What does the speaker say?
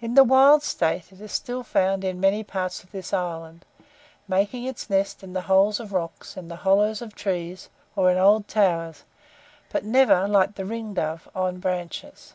In the wild state it is still found in many parts of this island, making its nest in the holes of rocks, in the hollows of trees, or in old towers, but never, like the ringdove, on branches.